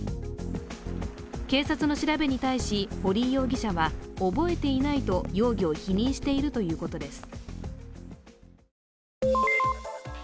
警察の調べに対し、堀井容疑者は覚えていないと容疑を否認しているということです。